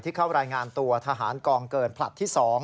เข้ารายงานตัวทหารกองเกินผลัดที่๒